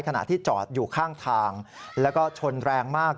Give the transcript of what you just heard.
ขณะที่จอดอยู่ข้างทางแล้วก็ชนแรงมาก